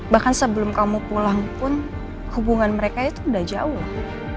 bahkan sebelum kamu pulang pun hubungan mereka itu udah jauh lah